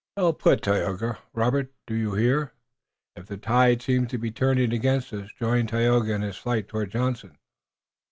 "Well put, Tayoga. Robert, do you hear? If the tide seems to be turning against us join Tayoga in his flight toward Johnson."